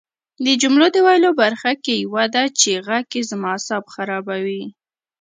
د جملو د ویلو برخه کې یوه ده چې غږ کې زما اعصاب خرابوي